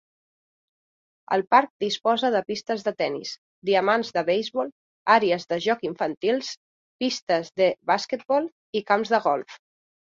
El parc disposa de pistes de tennis, diamants de beisbol, àrees de joc infantils, pistes de basquetbol i camps de golf.